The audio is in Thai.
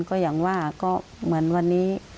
ก็อย่างว่าก็เหมือนวันนี้